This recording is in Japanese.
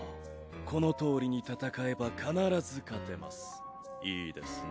このとおりに戦えば必ず勝てますいいですね？